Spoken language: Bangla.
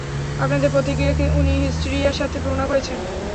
আপনাদের প্রতিক্রিয়াকে উনি হিস্টিরিয়ার সাথে তুলনা করেছেন!